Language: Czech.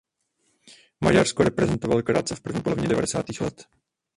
Maďarsko reprezentoval krátce v první polovině devadesátých let.